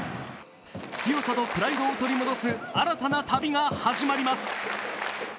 強さとプライドを取り戻す新たな旅が始まります。